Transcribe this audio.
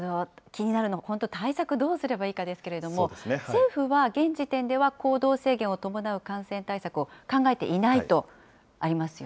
気になるのは本当、対策どうすればいいかですけれども、政府は現時点では行動制限を伴う感染対策を考えていないとありま